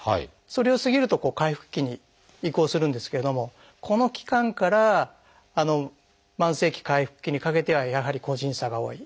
それを過ぎると回復期に移行するんですけれどもこの期間から慢性期回復期にかけてはやはり個人差が大きい。